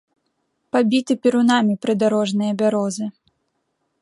Пабіты перунамі прыдарожныя бярозы.